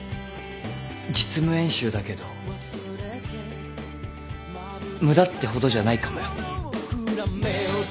実務演習だけど無駄ってほどじゃないかもよ。